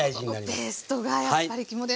先ほどのペーストがやっぱり肝で。